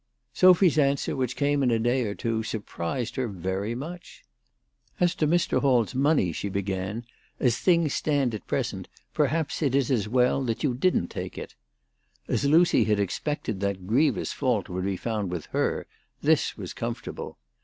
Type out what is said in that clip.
Sophy's answer, which came in a day or two, sur prised her very much. "As to Mr. Hall's money," she began, " as things stand at present perhaps it is as well that you didn't take it." As Lucy had expected that grievous fault would be found with her, this was comfortable.